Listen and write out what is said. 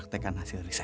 kenapa arabok ya dia